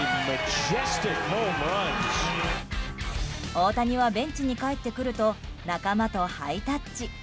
大谷はベンチに帰ってくると仲間とハイタッチ。